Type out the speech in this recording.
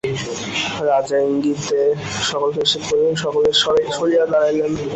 রাজা ইঙ্গিতে সকলকে নিষেধ করিলেন, সকলে সরিয়া দাঁড়াইলেন।